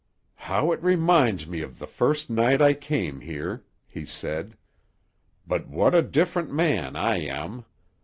"How it reminds me of the first night I came here," he said. "But what a different man I am!